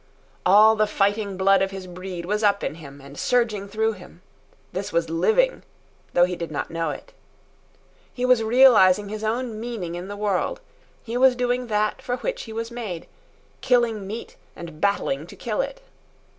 All the fighting blood of his breed was up in him and surging through him. This was living, though he did not know it. He was realising his own meaning in the world; he was doing that for which he was made—killing meat and battling to kill it.